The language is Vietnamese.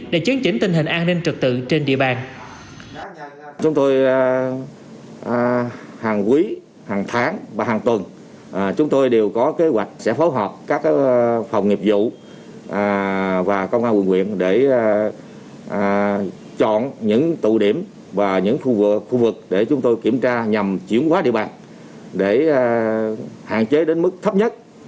để chấn chỉnh tình hình an ninh trật tự trên địa bàn